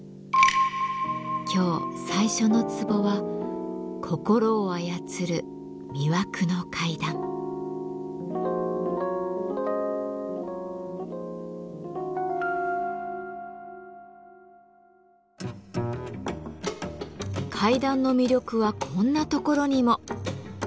今日最初のツボは階段の魅力はこんなところにも。